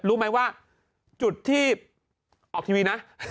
รู้ไหมว่าจุดที่ออกทีวีนะ